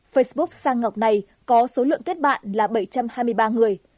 facebook sang ngọc này có số lượng kết bạn là bảy trăm hai mươi ba người